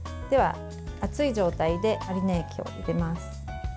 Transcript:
では、熱い状態でマリネ液を入れます。